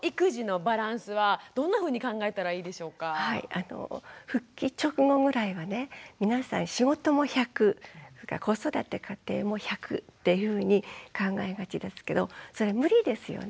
あの復帰直後ぐらいはね皆さん仕事も１００子育て家庭も１００っていうふうに考えがちですけどそれ無理ですよね。